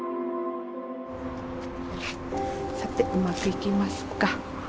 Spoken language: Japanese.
さてうまくいきますか。